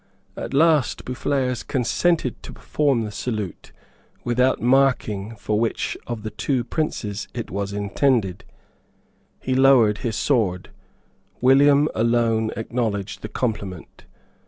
At last Boufflers consented to perform the salute without marking for which of the two princes it was intended. He lowered his sword. William alone acknowledged the compliment.